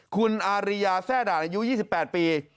คุณอาริยาแซ่ด่านอายุ๒๘ปี